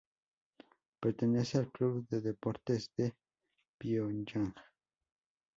Pertenece al Club de Deportes de Pionyang.